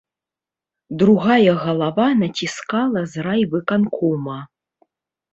Другая галава націскала з райвыканкома.